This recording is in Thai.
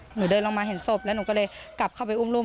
เดินลงมาเห็นศพแล้วหนูก็เลยกลับเข้าไปอุ้มรุ่ม